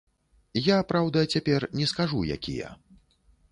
Я, праўда, цяпер не скажу, якія.